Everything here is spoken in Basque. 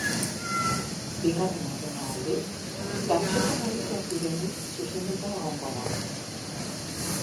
Bigarren eguna, aldiz, gaztetan adituak direnei zuzenduta egongo da.